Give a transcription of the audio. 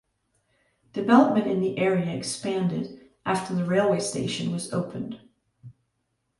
Development in the area expanded after the railway station was opened.